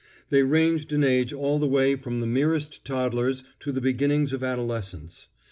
They ranged in age all the way from the merest toddlers to the beginnings of adolescence.